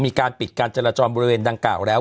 มีการปิดการจราจรบริเวณดังกล่าวแล้ว